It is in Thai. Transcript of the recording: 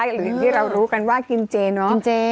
อย่างที่เรารู้กันว่ากินเจเนาะกินเจ